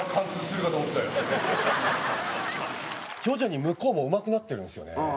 徐々に向こうもうまくなってるんですよね。